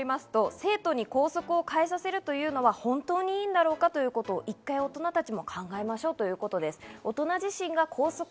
生徒に校則を変えさせるのはいいんだろうかということを１回、大人たちも考えましょうということです。